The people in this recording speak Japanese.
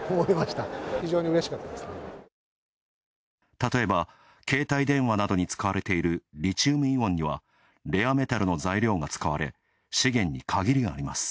たとえば、携帯電話などに使われているリチウムイオンには、レアメタルの材料が使われ資源に限りがあります。